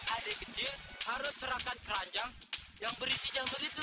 adik kecil harus serahkan keranjang yang berisi jamur itu